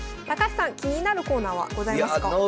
高橋さん気になるコーナーはございますか？